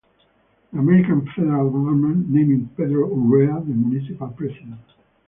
The American Federal Government named Pedro Urrea the Municipal President.